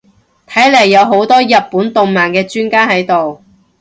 睇嚟有好多日本動漫嘅專家喺度